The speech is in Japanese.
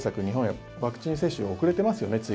日本、ワクチン接種が遅れていますよね